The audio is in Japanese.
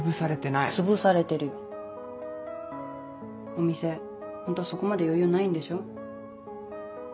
お店ホントはそこまで余裕ないんでし